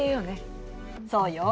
そうよ。